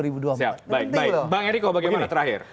bang ericko bagaimana terakhir